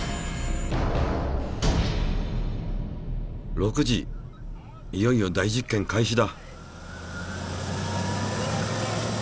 ６時いよいよ大実験開始だ。